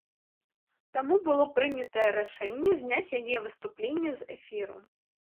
Таму было прынятае рашэнне зняць яе выступленне з эфіру.